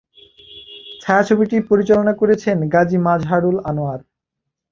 ছায়াছবিটি পরিচালনা করেছেন গাজী মাজহারুল আনোয়ার।